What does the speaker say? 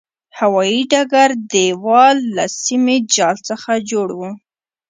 هوایي ډګر دېوال له سیمي جال څخه جوړ و.